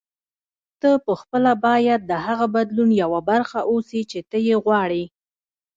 ته پخپله باید د هغه بدلون یوه برخه اوسې چې ته یې غواړې.